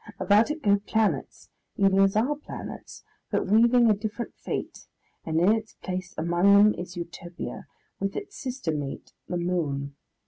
About it go planets, even as our planets, but weaving a different fate, and in its place among them is Utopia, with its sister mate, the Moon.